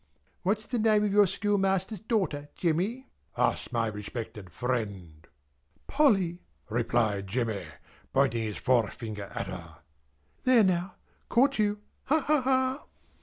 "What's the name of your schoolmaster's daughter, Jemmy?" asks my respected friend. "Polly!" replied Jemmy, pointing his forefinger at her. "There now! Caught you! Ha, ha, ha!"